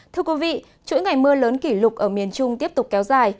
thưa quý vị chuỗi ngày mưa lớn kỷ lục ở miền trung tiếp tục kéo dài